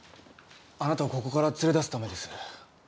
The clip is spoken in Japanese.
あなたをここから連れ出すためです。